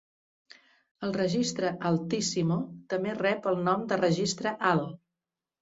El registre "altissimo" també rep el nom de "registre alt".